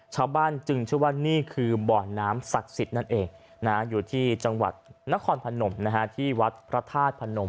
ชาวบ้านจึงเชื่อว่านี่คือบ่อน้ำศักดิ์สิทธิ์นั่นเองอยู่ที่จังหวัดนครพนมที่วัดพระธาตุพนม